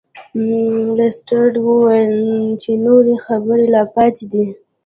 لیسټرډ وویل چې نورې خبرې لا پاتې دي.